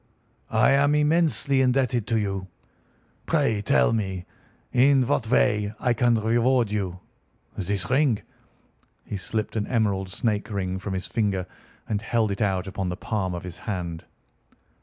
"I am immensely indebted to you. Pray tell me in what way I can reward you. This ring—" He slipped an emerald snake ring from his finger and held it out upon the palm of his hand.